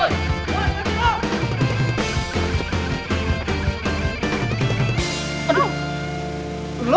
aduh eh lo